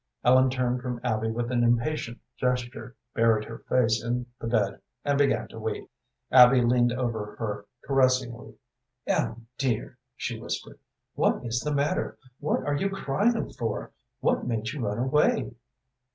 Ellen turned from Abby with an impatient gesture, buried her face in the bed, and began to weep. Abby leaned over her caressingly. "Ellen dear," she whispered, "what is the matter; what are you crying for? What made you run away?"